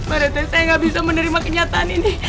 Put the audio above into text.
pak rete saya gak bisa menerima kenyataan ini